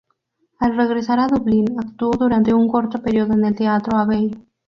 Al regresar a Dublín, actuó durante un corto período en el Teatro Abbey.